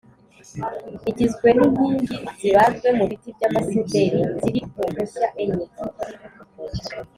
Igizwe n’inkingi zibajwe mu biti by’amasederi ziri ku mpushya enye